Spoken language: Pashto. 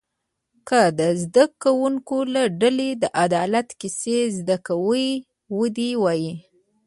که د زده کوونکو له ډلې د عدالت کیسه زده وي و دې وایي.